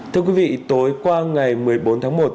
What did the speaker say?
thưa quý vị tối qua ngày một mươi bốn tháng một